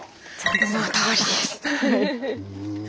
そのとおりです。